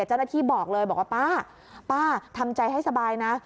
เจ้าหน้าที่บอกเลยบอกว่าป้าป้าทำใจให้สบายนะ